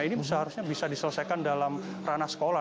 ini seharusnya bisa diselesaikan dalam ranah sekolah